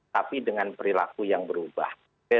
tapi dengan perilaku yang berubah